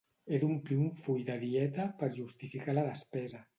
He d'omplir un full de dieta per justificar la despesa.